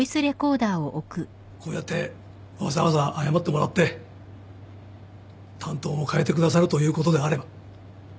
こうやってわざわざ謝ってもらって担当も代えてくださるということであれば。